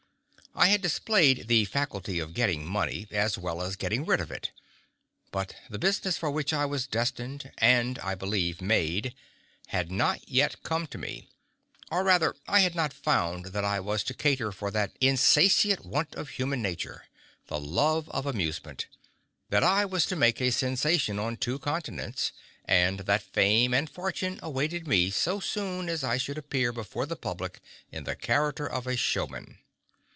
I had displayed the faculty of getting money, as well as getting rid of it; but the business for which I was destined, and, I believe, made, had not yet come to me; or rather, I had not found that I was to cater for that insatiate want of human nature the love of amusement; that I was to make a sensation on two continents; and that fame and fortune awaited me so soon as I should appear before the public in the character of a showman.